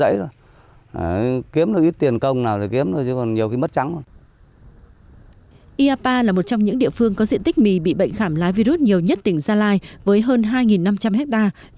iapa là một trong những địa phương có diện tích mì bị bệnh khảm lá virus nhiều nhất tỉnh gia lai với hơn hai năm trăm linh hectare